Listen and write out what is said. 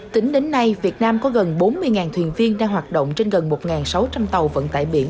tính đến nay việt nam có gần bốn mươi thuyền viên đang hoạt động trên gần một sáu trăm linh tàu vận tải biển